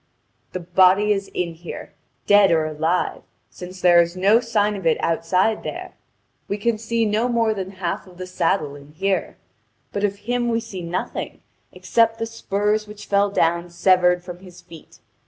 The body is in here, dead or alive, since there is no sign of it outside there; we can see more than half of the saddle in here, but of him we see nothing, except the spurs which fell down severed from his feet.